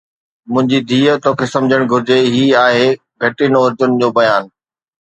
منهنجي ڌيءَ، توکي سمجھڻ گهرجي ته هي آهي گهٽين عورتن جو بيان.